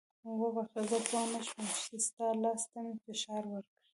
وبخښه زه پوه نه شوم چې ستا لاس ته مې فشار ورکړی.